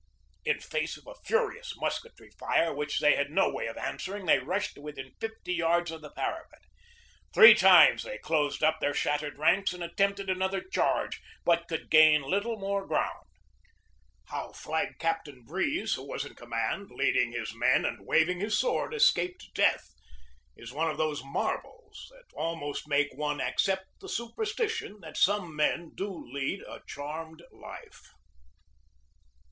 In face of a furious musketry fire which they had no way of answering they rushed to within fifty yards of the parapet. Three times they closed up their shattered ranks and attempted another charge, 136 GEORGE DEWEY but could gain little more ground. How Flag Captain Breeze, who was in command, leading his men and waving his sword, escaped death, is one of those marvels that almost make one accept the superstition that some men do lead a charmed life.